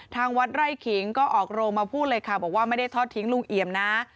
ทางวัดไร่ขิงก็ออกโรงมาพูดเลยค่ะบอกว่าไม่ได้ทอดทิ้งลุงเอี่ยมนะ